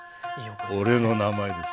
俺の名前です。